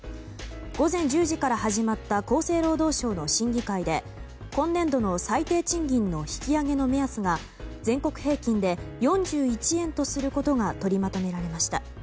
午前１０時から始まった厚生労働省の審議会で今年度の最低賃金の引き上げの目安が全国平均で４１円とすることが取りまとめられました。